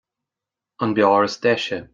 An beár is deise.